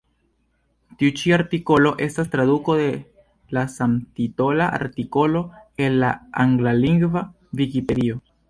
Tiu ĉi artikolo estas traduko de la samtitola artikolo el la anglalingva Vikipedio.